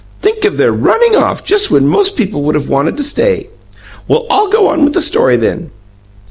Think of their running off just when most people would have wanted to stay! Well, I'll go on with the story, then.